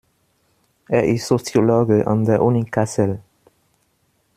Er ist Soziologe an der Uni Kassel.